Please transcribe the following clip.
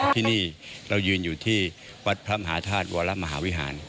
ที่นี่เรายืนอยู่ที่วัดพระมหาธาตุวรมหาวิหาร